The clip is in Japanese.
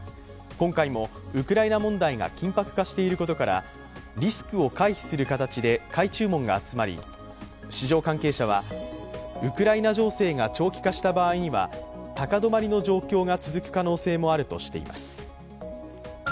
今回もウクライナ問題が緊迫化していることからリスクを回避する形で買い注文が集まり、市場関係者はウクライナ情勢が長期化した場合には高止まりの状況が続く可能性もあるとしています。